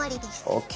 ＯＫ。